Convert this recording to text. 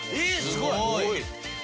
すごい！